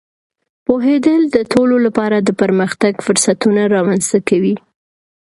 پوهېدل د ټولو لپاره د پرمختګ فرصتونه رامینځته کوي.